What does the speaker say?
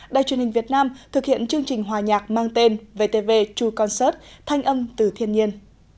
đài truyền hình việt nam thực hiện chương trình hòa nhạc mang tên vtv true concert thanh âm từ thiên nhiên